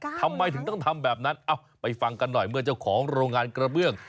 ทำไมถึงต้องทำแบบนั้นเอ้าไปฟังกันหน่อยเมื่อเจ้าของโรงงานกระเบื้อง